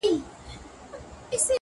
يا الله تې راته ژوندۍ ولره؛